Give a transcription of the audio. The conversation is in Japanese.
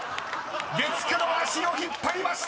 ［月９の足を引っ張りました！］